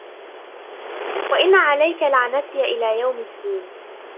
وإن عليك لعنتي إلى يوم الدين